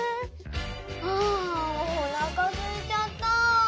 ああおなかすいちゃった！